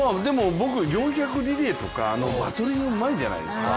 僕、４００リレーとかバトンリレーがうまいじゃないですか。